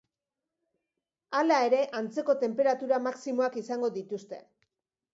Hala ere, antzeko tenperatura maximoak izango dituzte.